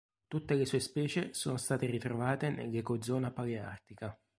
Tutte le sue specie sono state ritrovate nell'ecozona paleartica.